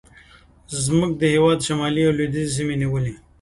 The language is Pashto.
زموږ د هېواد شمالي او لوېدیځې سیمې ونیولې.